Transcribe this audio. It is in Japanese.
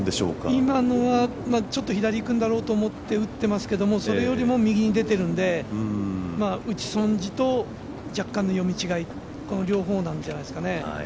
今のは、ちょっと左へいくんだろうと思って打ってるんですけどそれよりも右に出ているので打ち損じと、若干の読み違いこの両方なんじゃないですかね。